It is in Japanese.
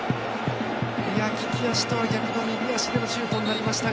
利き足とは逆の右足でのシュートになりましたが。